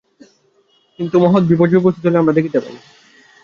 কিন্তু মহৎ বিপর্যয় উপস্থিত হইলে আমরা দেখিতে পাই, উদ্দেশ্য একই।